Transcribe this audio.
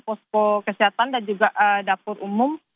posko kesehatan dan juga dapur umum